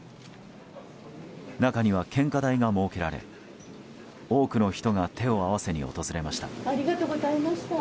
中には献花台が設けられ多くの人が手を合わせに訪れました。